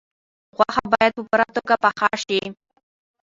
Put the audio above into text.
غوښه باید په پوره توګه پاخه شي.